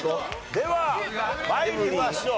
では参りましょう。